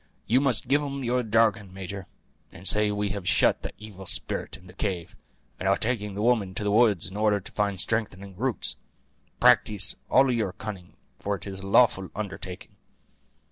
You must give 'em your jargon, major; and say that we have shut the evil spirit in the cave, and are taking the woman to the woods in order to find strengthening roots. Practise all your cunning, for it is a lawful undertaking."